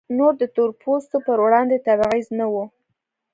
نور د تور پوستو پر وړاندې تبعیض نه و.